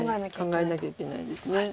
考えなきゃいけないです。